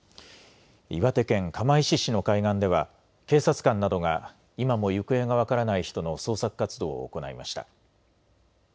岩手県釜石市の海岸では警察官などが今も行方が分からない人の捜索活動を行いました。